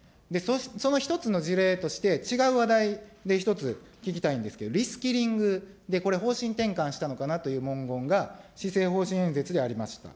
その一つの事例として、違う話題で１つ、聞きたいんですけど、リスキリング、これ、方針転換したのかなという文言が施政方針演説でありました。